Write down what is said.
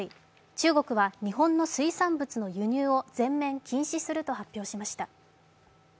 中国は、日本の水産物の輸入を全面禁止すると発表しました。